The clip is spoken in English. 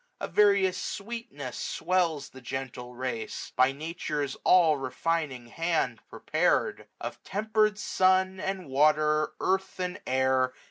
A various sweetness swells the gentle race j By Nature's all refining hand prepared ; Of temper'd sun, and water, earth, and air.